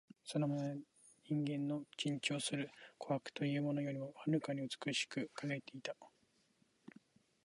その眼は人間の珍重する琥珀というものよりも遥かに美しく輝いていた